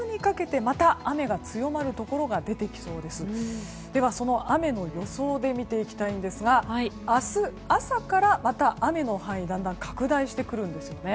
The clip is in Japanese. では、その雨の予想で見ていきたいんですが明日朝からまた雨の範囲だんだん拡大してくるんですね。